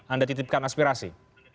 anda titipkan aspirasi